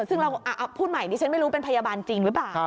ซึ่งเราพูดใหม่ดิฉันไม่รู้เป็นพยาบาลจริงหรือเปล่า